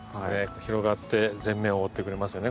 広がって全面を覆ってくれますよね